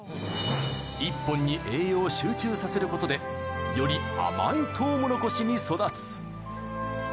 一本に栄養を集中させることで、より甘いトウモロコシに育つ。